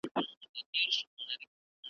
دا خبره هم پر ژبه سم راوړلای .